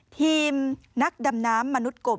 ทีมนักดำน้ำมนุษย์กบ